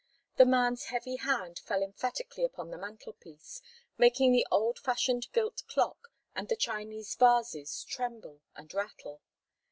The man's heavy hand fell emphatically upon the mantelpiece, making the old fashioned gilt clock and the Chinese vases tremble and rattle.